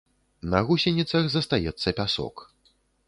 На гусеніцах застаецца пясок.